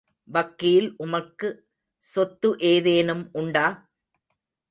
வக்கீல் உமக்கு சொத்து ஏதேனும் உண்டா?